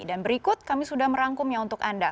dan berikut kami sudah merangkumnya untuk anda